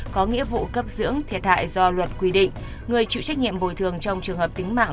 có nghĩa vụ cấp dưỡng thiệt hại do luật quy định người chịu trách nhiệm bồi thường trong trường hợp tính mạng